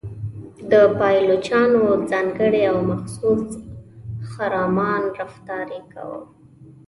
د پایلوچانو ځانګړی او مخصوص خرامان رفتار یې کاوه.